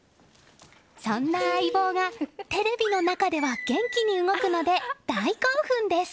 そんな相棒がテレビの中では元気に動くので大興奮です。